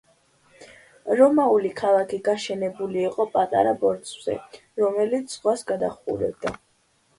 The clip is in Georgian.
რომაული ქალაქი გაშენებული იყო პატარა ბორცვზე, რომელიც ზღვას გადაჰყურებდა.